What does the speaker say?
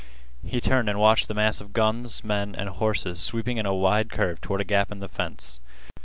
He turned and watched the mass of guns, men, and horses sweeping in a wide curve toward a gap in a fence.